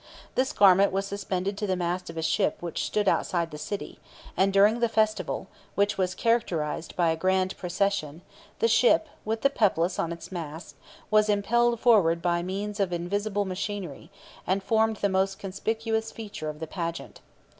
This garment was suspended to the mast of a ship which stood outside the city; and during the festival, which was characterized by a grand procession, the ship (with the Peplus on its mast) was impelled forward by means of invisible machinery, and formed the most conspicuous feature of the pageant.